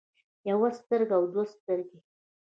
يوه سترګه او دوه سترګې